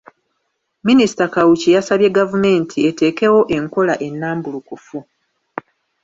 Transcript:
Minisita Kawuki yasabye gavumenti eteekewo enkola ennambulukufu